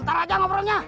ntar aja ngobrolnya